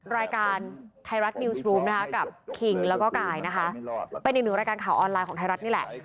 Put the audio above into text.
รายการไทยรัฐนิวสกรูมนะคะกับคิงแล้วก็กายนะคะเป็นอีกหนึ่งรายการข่าวออนไลน์ของไทยรัฐนี่แหละ